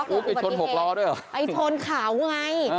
อุ๊ยไปชนหกล้อด้วยหรอไปชนขาวไง